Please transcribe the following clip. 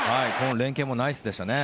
連係もナイスでしたね。